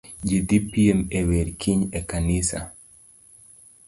Ji dhi piem e wer kiny ekanisa.